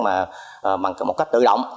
mà một cách tự động